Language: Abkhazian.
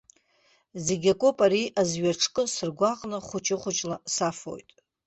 Зегьакоуп, ари азҩаҿкы сыргәаҟны хәыҷы-хәыҷла сафоит!